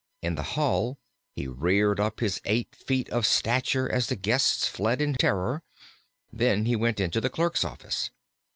In the hall he reared up his eight feet of stature as the guests fled in terror; then he went into the clerk's office.